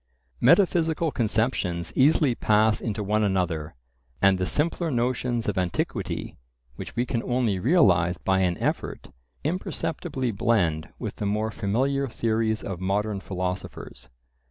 Metaphysical conceptions easily pass into one another; and the simpler notions of antiquity, which we can only realize by an effort, imperceptibly blend with the more familiar theories of modern philosophers.